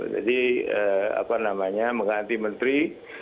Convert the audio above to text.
jadi apa namanya mengganti menteri